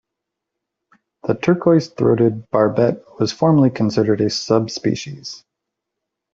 The turquoise-throated barbet was formerly considered a subspecies.